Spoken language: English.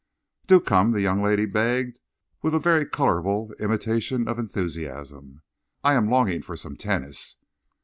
"Do come," the young lady begged, with a very colourable imitation of enthusiasm. "I am longing for some tennis."